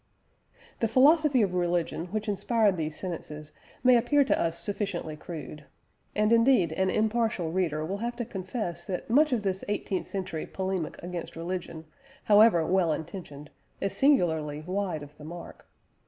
The philosophy of religion which inspired these sentences may appear to us sufficiently crude. And indeed an impartial reader will have to confess that much of this eighteenth century polemic against religion, however well intentioned, is singularly wide of the mark.